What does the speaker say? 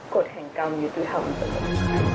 กฎแห่งกรรมอยู่ทุกท่าวมันตัวเอง